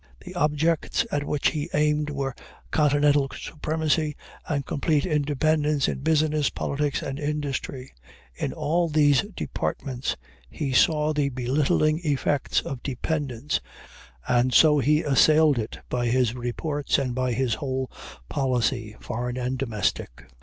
The objects at which he aimed were continental supremacy, and complete independence in business, politics, and industry. In all these departments he saw the belittling effects of dependence, and so he assailed it by his reports and by his whole policy, foreign and domestic.